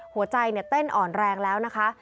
หัวใจเต้นอ่อนแรงแล้วนะคะ